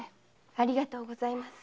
ありがとうごさいます。